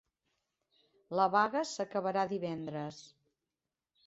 La vaga s'acabarà divendres